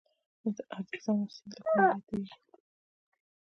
ادرسکن سیند له کوم ولایت تیریږي؟